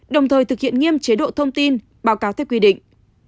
đồng thời thực hiện nghiêm chế độ thông tin báo cáo theo quy định